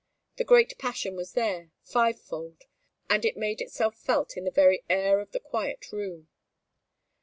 The great passion was there, five fold, and it made itself felt in the very air of the quiet room.